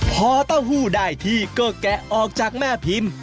พอเต้าหู้ได้ที่ก็แกะออกจากแม่พิมพ์